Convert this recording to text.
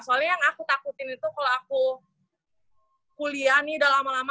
soalnya yang aku takutin itu kalau aku kuliah nih udah lama lama